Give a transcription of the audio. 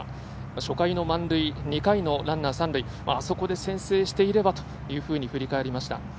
初回の満塁、２回のランナー三塁あそこで先制していればというふうに振り返りました。